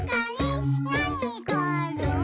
「なにがある？」